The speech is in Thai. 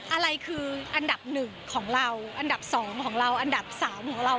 อะไรคืออันดับหนึ่งของเราอันดับ๒ของเราอันดับ๓ของเรา